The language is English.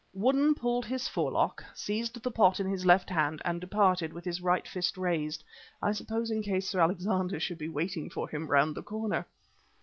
Woodden pulled his forelock, seized the pot in his left hand, and departed with his right fist raised I suppose in case Sir Alexander should be waiting for him round the corner.